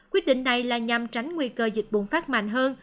quyết định này là nhằm tránh nguy cơ dịch bùng phát mạnh hơn